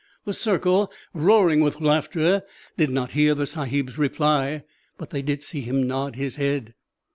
The circle, roaring with laughter, did not hear the sahib's reply, but they did see him nod his head.